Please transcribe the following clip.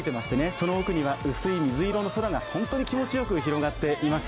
その奥には薄い水色の空が本当に気持ちよく広がっています。